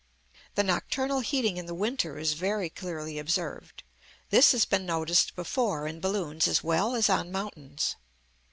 The nocturnal heating in the winter is very clearly observed. This has been noticed before in balloons as well as on mountains.